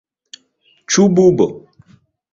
Ĉu bubo?